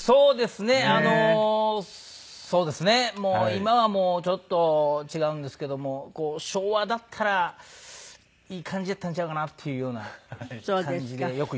今はもうちょっと違うんですけども昭和だったらいい感じやったんちゃうかなっていうような感じでよく言われますはい。